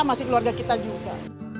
masih keluarga kita juga